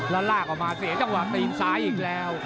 แล้วลากออกมาเสียจังหวะตีนซ้ายอีกแล้ว